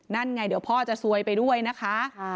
นั่นไงเดี๋ยวพ่อจะซวยไปด้วยนะคะ